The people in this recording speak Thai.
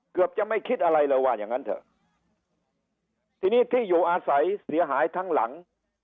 เกือบจะไม่คิดอะไรเลยว่าอย่างงั้นเถอะทีนี้ที่อยู่อาศัยเสียหายทั้งหลัง